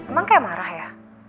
emang kayak marah ya